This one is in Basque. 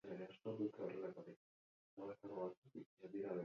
Guztiarekin ere, hil ondoren, independentziaren heroitzat hartua izan zen.